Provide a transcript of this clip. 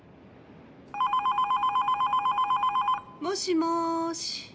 もしもーし。